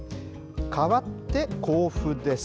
かわって、甲府です。